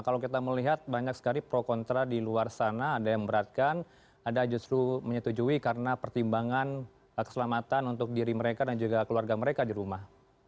kalau kita melihat banyak sekali pro kontra di luar sana ada yang memberatkan ada justru menyetujui karena pertimbangan keselamatan untuk diri mereka dan juga keluarga mereka di rumah